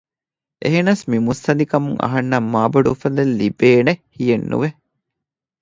އެހެނަސް މި މުއްސަނދިކަމުން އަހަންނަށް މާ ބޮޑު އުފަލެއް ލިބޭހެނެއް ހިޔެއް ނުވެ